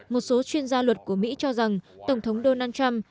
một số chuyên gia luật của mỹ cho rằng tổng thống donald trump